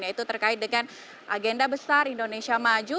yaitu terkait dengan agenda besar indonesia maju